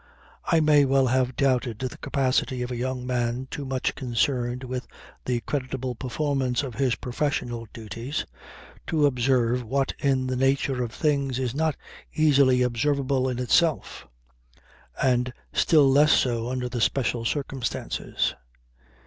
I may well have doubted the capacity of a young man too much concerned with the creditable performance of his professional duties to observe what in the nature of things is not easily observable in itself, and still less so under the special circumstances.